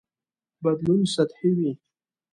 بدلون سطحي وي.